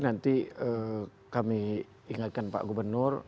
nanti kami ingatkan pak gubernur